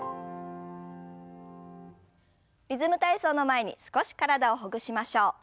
「リズム体操」の前に少し体をほぐしましょう。